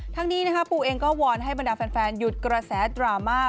ทั้งนี้ปูเองก็วอนให้บรรดาแฟนหยุดกระแสดราม่า